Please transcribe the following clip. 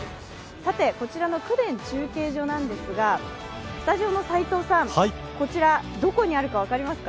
こちらの公田中継所ですが、スタジオの斎藤さん、どこにあるか分かりますか？